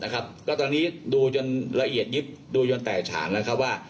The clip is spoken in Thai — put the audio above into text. ก็ตอนนี้ดูจนละเอียดยิบดูจนแต่ฉานนะครับว่า